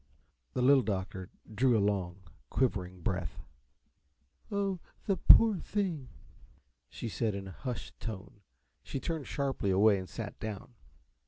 The Little Doctor drew a long, quivering breath. "Oh, the poor, brave thing!" she said, in a hushed tone. She turned sharply away and sat down.